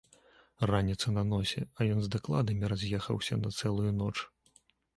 Раніца на носе, а ён з дакладамі раз'ехаўся на цэлую ноч.